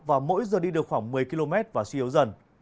và mỗi giờ đi được khoảng một mươi km và suy yếu dần